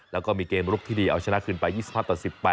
แล้วก็มีเกมลุกที่ดีเอาชนะคืนไป๒๕ต่อ๑๘